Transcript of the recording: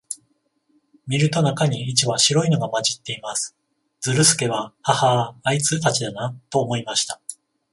見ると、中に一羽白いのが混じっています。ズルスケは、ハハア、あいつたちだな、と思いました。